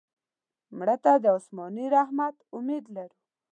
مړه ته د آسماني رحمت امید لرو